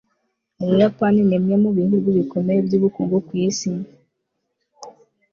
ubuyapani nimwe mubihugu bikomeye byubukungu ku isi